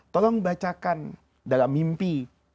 tolong bacakan dalam mimpi